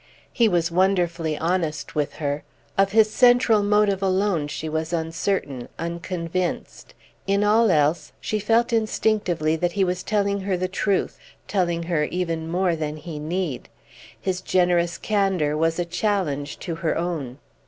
He was wonderfully honest with her; of his central motive alone was she uncertain, unconvinced. In all else she felt instinctively that he was telling her the truth, telling her even more than he need. His generous candor was a challenge to her own.